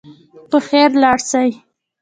په خیر ولاړ سئ.